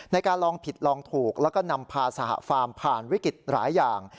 ในการลองผิดลองถูกแล้วก็นำพาสหฟาร์มผ่านวิกฤตหลายอย่าง